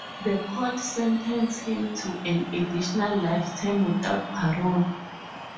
The court sentenced him to an additional life term without parole.